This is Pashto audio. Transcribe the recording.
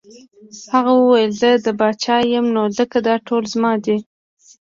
هغه وویل زه پاچا یم نو ځکه دا ټول زما دي.